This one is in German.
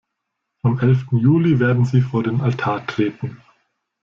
Am elften Juli werden sie vor den Altar treten.